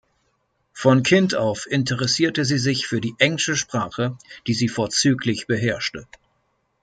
Von Kind auf interessierte sie sich für die englische Sprache, die sie vorzüglich beherrschte.